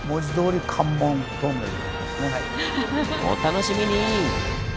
お楽しみに！